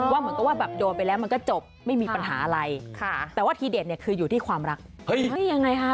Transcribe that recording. ว่าเหมือนกันว่าโดนไปแล้วมันก็จบไม่มีปัญหาอะไร